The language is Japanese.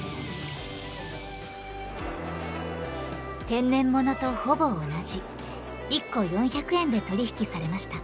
天然ものとほぼ同じ１個４００円で取引されました。